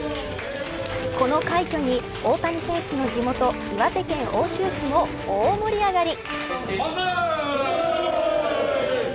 この快挙に大谷選手の地元、岩手県奥州市も大盛り上がり。